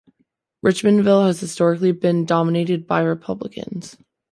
Richmondville has historically been dominated by Republicans.